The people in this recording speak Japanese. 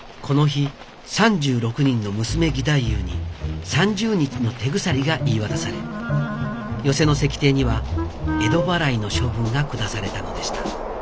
この日３６人の娘義太夫に３０日の手鎖が言い渡され寄席の席亭には江戸払いの処分が下されたのでした